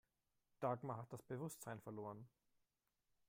Dagmar hat das Bewusstsein verloren.